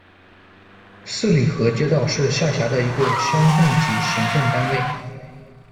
四里河街道，是下辖的一个乡镇级行政单位。